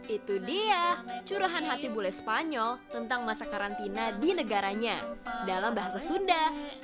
itu dia curahan hati bule spanyol tentang masa karantina di negaranya dalam bahasa sunda